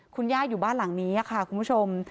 คุณย่าอยู่บ้านหลังนี้ค่ะคุณผู้ชม